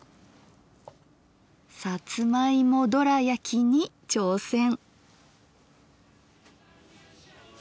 さつまいもドラやきに挑戦！